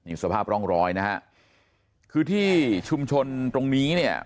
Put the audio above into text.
นี่สภาพร่องรอยนะฮะคือที่ชุมชนตรงนี้เนี่ย